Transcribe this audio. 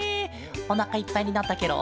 おなかいっぱいになったケロ？